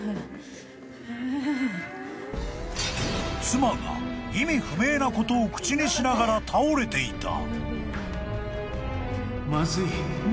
［妻が意味不明なことを口にしながら倒れていた］